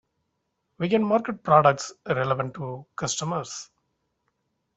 We can market products relevant to customers.